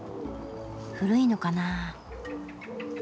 古いのかなぁ？